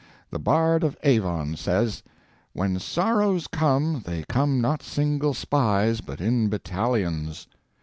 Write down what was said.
The Bard of Avon says: "When sorrows come, they come not single spies, But in battalions."